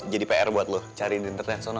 jadi pr buat lo cari internetnya di sana